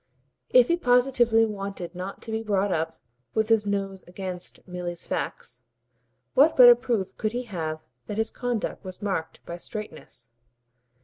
If he positively wanted not to be brought up with his nose against Milly's facts, what better proof could he have that his conduct was marked by straightness?